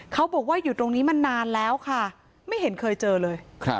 เขาบอกว่าอยู่ตรงนี้มานานแล้วค่ะไม่เห็นเคยเจอเลย